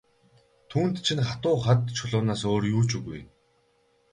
Түүнд чинь хатуу хад чулуунаас өөр юу ч үгүй.